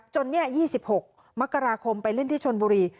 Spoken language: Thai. จนเนี้ย๒๖มกราคมไปเล่นที่ชนบุรี